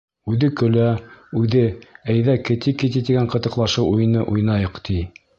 Үҙе көлә, үҙе, әйҙә кети-кети тигән ҡытыҡлашыу уйыны уйнайыҡ, ти.